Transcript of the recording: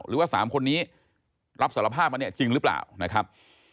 หรือว่า๓คนนี้รับสารภาพมาเนี่ยจริงหรือเปล่านะครับ